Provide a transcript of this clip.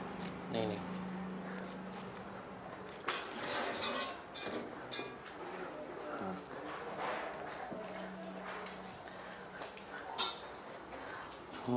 di antara langkah disini juga